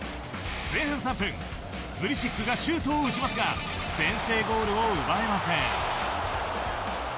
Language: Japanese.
前半３分シュートを打ちますが先制ゴールを奪えません。